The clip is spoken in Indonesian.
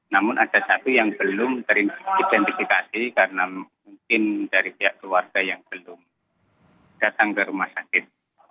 namun ada satu yang belum teridentifikasi karena mungkin dari pihak keluarga yang belum datang ke rumah sakit